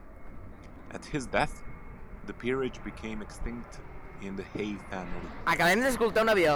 At his death, the peerage became extinct in the Hay family.